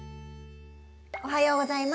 おはようございます。